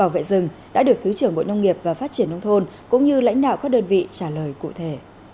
vệ rừng đã được thứ trưởng bộ nông nghiệp và phát triển nông thôn cũng như lãnh đạo các đơn vị trả lời cụ thể